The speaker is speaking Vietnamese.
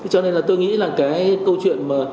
cho nên là tôi nghĩ là cái câu chuyện